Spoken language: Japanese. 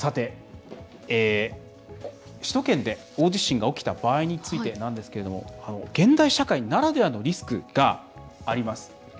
首都圏で大地震が起きた場合についてですが現代社会ならではのリスクがあります。